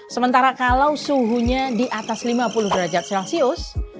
sementara kalau suhunya di atas lima puluh derajat celcius